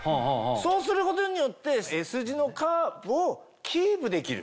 そうすることによってＳ字のカーブをキープできる。